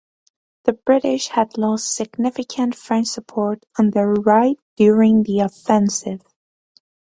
The British had lost significant French support on their right during the offensive.